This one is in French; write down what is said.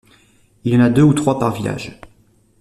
Il y en a deux ou trois par village.